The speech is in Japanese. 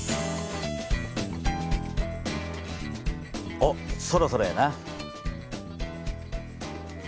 おっそろそろやな。